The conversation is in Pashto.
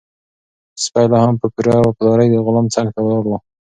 سپی لا هم په پوره وفادارۍ د غلام څنګ ته ولاړ و.